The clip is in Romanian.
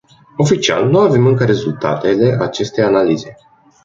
Oficial, nu avem încă rezultatele acestei analize.